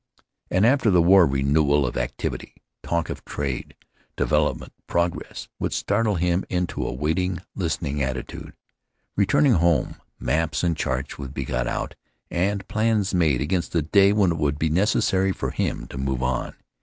An after the war renewal of activity, talk of trade, development, progress, would startle him into a waiting, listening attitude. Return ing home, maps and charts would be got out and plans made against the day when it would be necessary for him to move on.